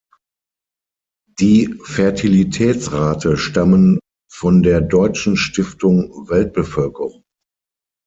Die Fertilitätsrate stammen von der Deutschen Stiftung Weltbevölkerung.